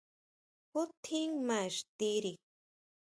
Jú tjín maa ixtiri.